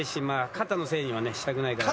肩のせいにはねしたくないから。